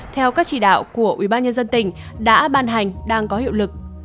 theo các chỉ đạo của ubnd tỉnh đã ban hành đang có hiệu lực